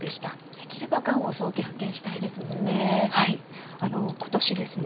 できれば、がんを早期発見したいですものね。